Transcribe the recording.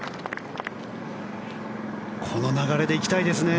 この流れで行きたいですね。